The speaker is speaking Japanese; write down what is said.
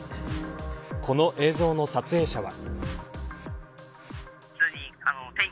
この映像の撮影者は。